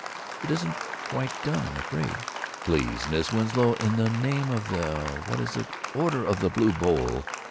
It isn't quite done, I'm afraid." "Please, Miss Winslow! In the name of the—what was it—Order of the Blue Bowl?"